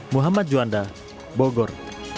muhammad juanda bogor